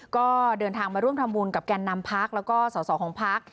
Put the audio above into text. ก็เดินทางมาร่วมทำบุญกับแก่นนำพักแล้วก็สอสอของพัก